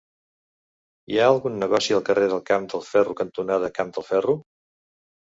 Hi ha algun negoci al carrer Camp del Ferro cantonada Camp del Ferro?